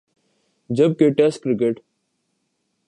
جب کہ test cricket